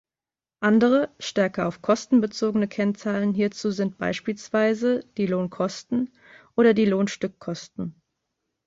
Andere, stärker auf Kosten bezogene Kennzahlen hierzu sind beispielsweise die Lohnkosten oder die Lohnstückkosten.